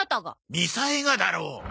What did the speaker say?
みさえがだろ！